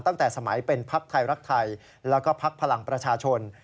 ตั้งแต่สมัยเป็นพักไทยรักไทยแล้วก็พักพลังประชาชน